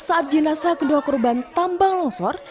saat jenazah kedua korban tambang longsor